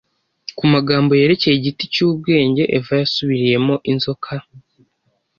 Ku magambo yerekeye igiti cy’ubwenge Eva yasubiriyemo inzoka